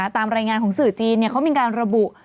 ตามรายงานของสื่อจีนเขามีการระบุ